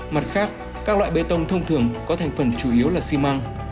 mặt khác các loại bê tông thông thường có thành phần chủ yếu là xi măng